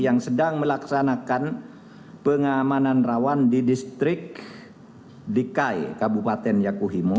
yang sedang melaksanakan pengamanan rawan di distrik dikai kabupaten yakuhimo